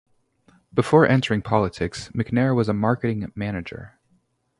Before entering politics, McNair was a marketing manager.